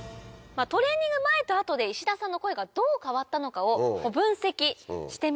トレーニング前と後で石田さんの声がどう変わったのかを分析してみました。